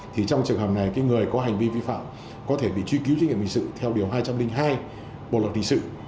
thì trong trường hợp này cái người có hành vi vi phạm có thể bị truy cứu trách nhiệm hình sự theo điều hai trăm linh hai bộ luật hình sự